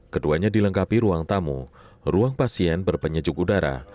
keduanya dilengkapi ruang tamu ruang pasien berpenyejuk udara